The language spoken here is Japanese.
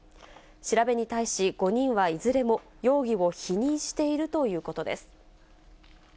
調べに対し、５人はいずれも容疑を否認しているということです。